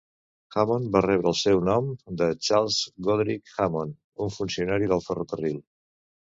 Hammond va rebre el seu nom de Charles Goodrich Hammond, un funcionari del ferrocarril.